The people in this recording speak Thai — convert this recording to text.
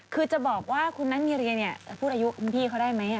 คือจะบอกว่าคุณแมทมีเรียเนี่ยจะพูดอายุคุณพี่เขาได้ไหม